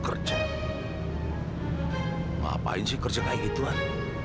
apa punlah dia akan bekerja kayak g resulted